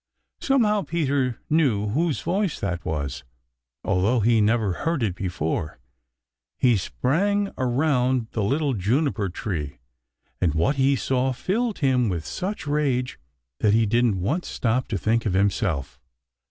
Somehow Peter knew whose voice that was, although he never had heard it before. He sprang around the little juniper tree, and what he saw filled him with such rage that he didn't once stop to think of himself.